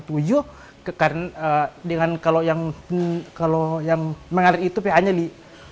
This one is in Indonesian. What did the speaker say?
dengan kalau yang mengair itu ph nya di empat